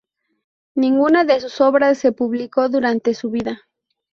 Ninguna de sus obras se publicó durante su vida.